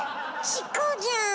チコじゃん